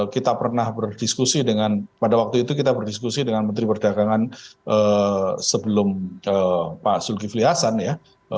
kita pernah berdiskusi dengan pada waktu itu kita berdiskusi dengan menteri perdagangan sebelum pak zulkifli hasan ya